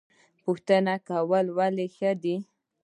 پوښتنه کول ولې ښه دي؟